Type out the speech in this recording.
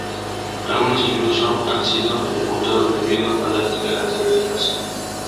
Algunos incluso han sido ejecutados debido a la intolerancia religiosa.